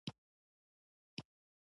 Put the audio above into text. رسوب د افغان کلتور سره تړاو لري.